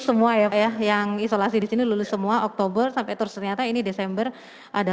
semua ya pak ya yang isolasi di sini lulus semua oktober sampai terus ternyata ini desember ada